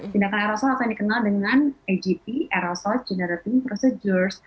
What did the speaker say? tindakan berubah atau yang dikenal dengan agp aerosol generating procedure